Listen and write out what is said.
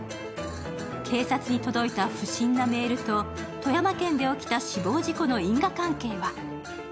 警察に届いた不審なメールと富山県で起きた死亡事故の因果関係は？